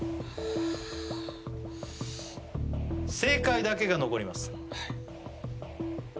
正解だけが残ります